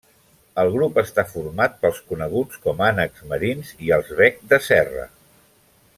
El grup està format pels coneguts com ànecs marins i els bec de serra.